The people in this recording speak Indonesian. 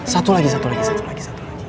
satu lagi satu lagi satu lagi